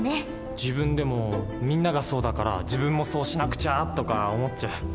自分でも「みんながそうだから自分もそうしなくちゃ」とか思っちゃう。